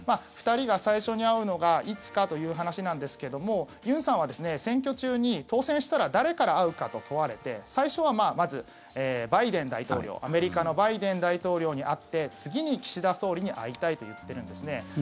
２人が最初に会うのがいつかという話なんですけどもユンさんは選挙中に当選したら誰から会うかと問われて最初はまずバイデン大統領アメリカのバイデン大統領に会って次に岸田総理に会いたいと言っているんですね。